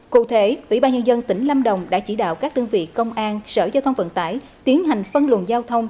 cụ thể ủy ban nhân dân tỉnh lâm đồng đã chỉ đạo các đơn vị công an sở giao thông vận tải tiến hành phân luận giao thông